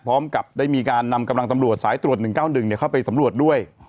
พร้อมกับได้มีการนำกำลังตำรวจสายตรวจ๑๙๑เข้าไปสำรวจด้วย